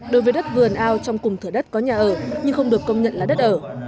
đối với đất vườn ao trong cùng thửa đất có nhà ở nhưng không được công nhận là đất ở